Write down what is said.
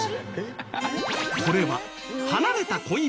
これは離れた恋人に